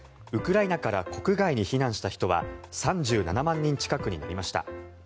ウクライナから国外に避難した人は３７万人近くになりました。